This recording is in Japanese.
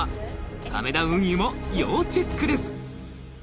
亀田運輸も要チェックです